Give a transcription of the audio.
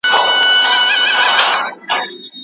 فساد د ملتونو د تباهۍ سبب دی.